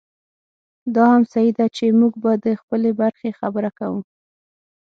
دا هم صحي ده چې موږ به د خپلې برخې خبره کوو.